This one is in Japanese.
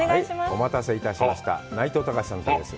お待たせいたしました、内藤剛志さんの旅です。